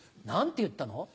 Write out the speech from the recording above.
何て言ったの？